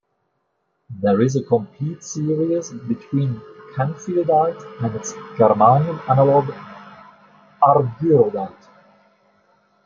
There is a complete series between canfieldite and its germanium analogue, argyrodite.